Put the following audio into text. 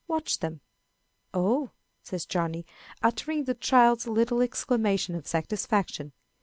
"Watch them!" "Oh!" says Johnny, uttering the child's little exclamation of satisfaction.